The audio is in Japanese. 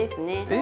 え⁉